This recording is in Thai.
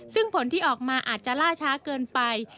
ซึ่งผลที่ออกมาอาจจะล่าช้าเกินไป